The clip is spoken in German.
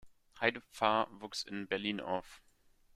Heide Pfarr wuchs in Berlin auf.